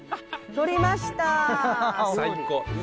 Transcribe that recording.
とりました！